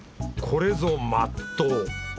これぞまっとう！